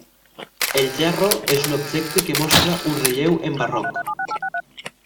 El gerro és un objecte que mostra un relleu en barroc.